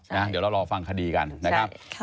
เดี๋ยวเรารอฟังคดีกันนะครับ